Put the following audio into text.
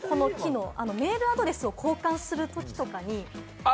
メールアドレスとかを交換するときに。